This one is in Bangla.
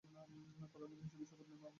প্রধানমন্ত্রী হিসাবে শপথ নেন আল কাতিরি।